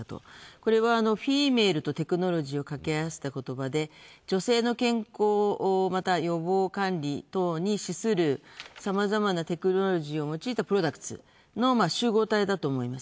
これはフィーメールとテクノロジーを掛け合わせたことばで女性の健康、また予防管理等に資するさまざまなテクノロジーを用いたプロダクツの集合体だと思います。